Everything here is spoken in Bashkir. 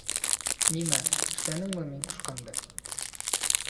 Нимә, эшләнеңме мин ҡушҡанды?